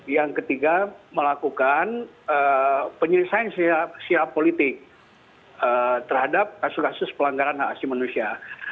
yang ketiga melakukan penyelesaian siap politik terhadap kasus kasus pelanggaran hak asasi manusia